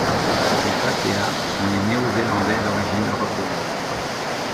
Les Pakeha sont les néo-zélandais d'origine européenne.